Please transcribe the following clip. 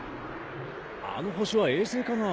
あの星は衛星かな？